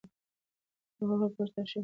په هوږه کې پوتاشیم په زیاته اندازه شته.